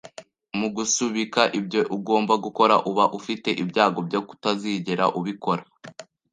Mugusubika ibyo ugomba gukora, uba ufite ibyago byo kutazigera ubikora.